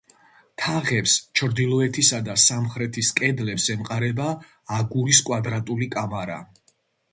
თაღებს, ჩრდილოეთისა და სამხრეთის კედლებს ემყარება აგურის კვადრატული კამარა.